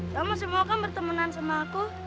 kamu semua kan bertemanan sama aku